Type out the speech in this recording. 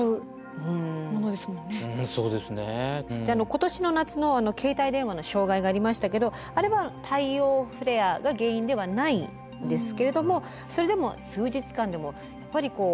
今年の夏の携帯電話の障害がありましたけどあれは太陽フレアが原因ではないんですけれどもそれでも数日間でもやっぱりこうパニックのようになって。